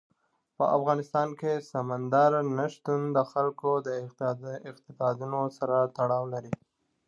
په افغانستان کې سمندر نه شتون د خلکو د اعتقاداتو سره تړاو لري.